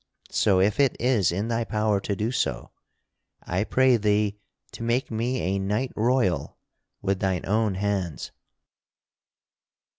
So if it is in thy power to do so, I pray thee to make me a knight royal with thine own hands."